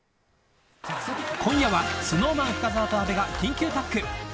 今夜はＳｎｏｗＭａｎ深澤と阿部が緊急タッグ。